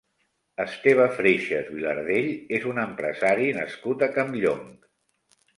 Esteve Freixas Vilardell és un empresari nascut a Campllong.